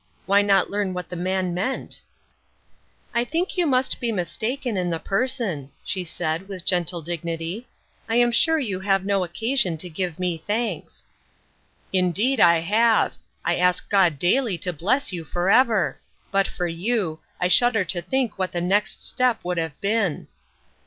Why not learn what the man meant ?"" I think you must be mistaken in the person," she said, with gentle dignity. " I am sure you have no occasion to give me thanks." " Indeed I have ; I ask God daily to bless you forever. But for you, I shudder to think what the next step would have been."